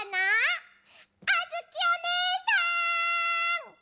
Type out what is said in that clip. あづきおねえさん！